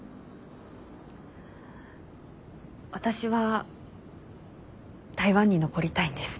私は台湾に残りたいんです。